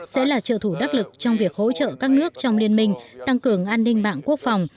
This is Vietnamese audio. sẽ là trợ thủ đắc lực trong việc hỗ trợ các nước trong liên minh tăng cường an ninh mạng quốc phòng